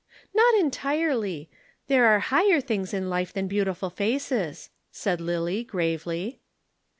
"Not entirely. There are higher things in life than beautiful faces," said Lillie gravely.